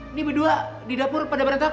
ini berdua di dapur pada berentak